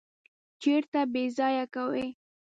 چیرته ییضایع کوی؟